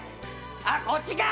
あっこっちか！